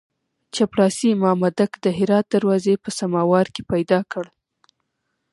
چپړاسي مامدک د هرات دروازې په سماوار کې پیدا کړ.